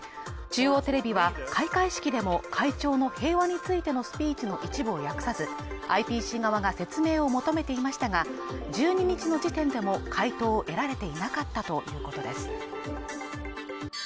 中央テレビは開会式でも会長の平和についてのスピーチの一部を訳さずＩＰＣ側が説明を求めていましたが１２日の時点でも回答を得られていなかったということです